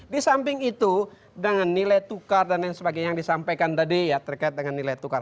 di samping itu dengan nilai tukar dan lain sebagainya yang disampaikan tadi ya terkait dengan nilai tukar